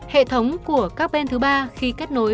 hệ thống của các bên thứ ba khi kết nối